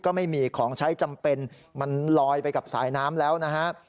ก็ไม่มีของใช้จำเป็นมันลอยไปกับสายน้ำแล้วนะฮะ